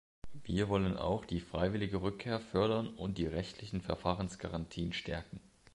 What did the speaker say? Wir wollen auch die freiwillige Rückkehr fördern und die rechtlichen Verfahrensgarantien stärken.